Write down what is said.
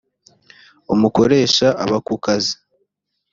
umukoresha aba ku kazi.